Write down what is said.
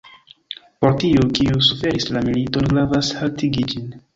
Por tiuj, kiuj suferis la militon, gravas haltigi ĝin.